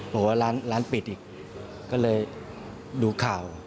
บอกว่าร้านปิดอีกก็เลยดูข่าว